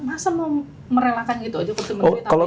masa mau merelakan gitu aja